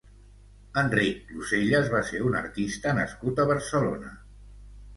Enric Cluselles va ser un artista nascut a Barcelona.